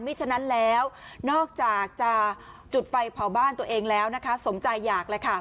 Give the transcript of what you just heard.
ฉะนั้นแล้วนอกจากจะจุดไฟเผาบ้านตัวเองแล้วนะคะสมใจอยากเลยค่ะ